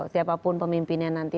siapapun pemimpinnya nanti